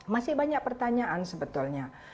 masih banyak pertanyaan sebetulnya